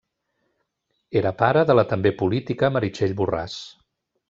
Era pare de la també política Meritxell Borràs.